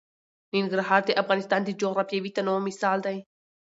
ننګرهار د افغانستان د جغرافیوي تنوع مثال دی.